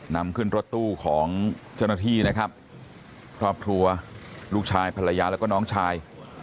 นำขึ้นรถตู้ของเจ้าหน้าที่นะครับครอบครัวลูกชายภรรยาแล้วก็น้องชาย